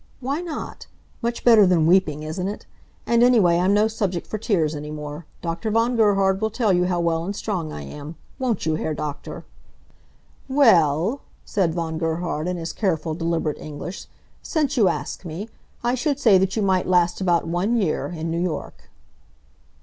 "Why not? Much better than weeping, isn't it? And anyway, I'm no subject for tears any more. Dr. von Gerhard will tell you how well and strong I am. Won't you, Herr Doktor?" "Well," said Von Gerhard, in his careful, deliberate English, "since you ask me, I should say that you might last about one year, in New York."